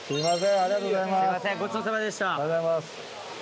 ありがとうございます。